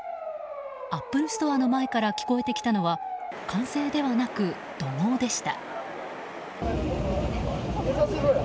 アップルストアの前から聞こえてきたのは歓声ではなく怒号でした。